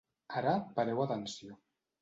Ara, pareu atenció.